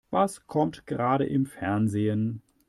Was kommt gerade im Fernsehen?